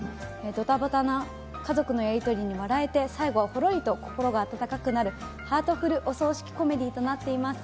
ドタバタな家族のやりとりに笑えて、最後はほろりと心が温かくなるハートフルお葬式コメディーとなっています。